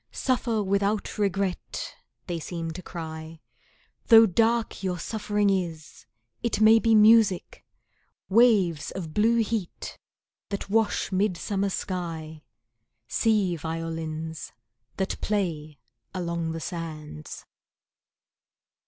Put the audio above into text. "Suffer without regret," they seem to cry, "Though dark your suffering is, it may be music, Waves of blue heat that wash midsummer sky; Sea violins that play along the sands."